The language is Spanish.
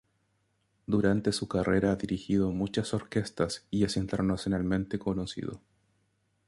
Durante su carrera ha dirigido muchas orquestas y es internacionalmente conocido.